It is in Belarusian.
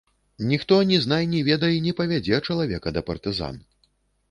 Ніхто ні знай ні ведай не павядзе чалавека да партызан.